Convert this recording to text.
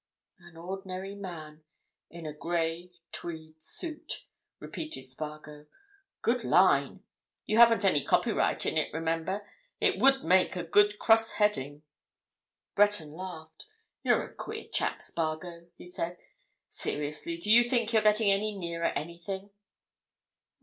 "'An ordinary man in a grey tweed suit,'" repeated Spargo. "Good line. You haven't any copyright in it, remember. It would make a good cross heading." Breton laughed. "You're a queer chap, Spargo," he said. "Seriously, do you think you're getting any nearer anything?"